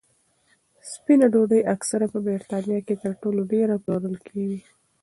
سپینه ډوډۍ اکثره په بریتانیا کې تر ټولو ډېره پلورل کېږي.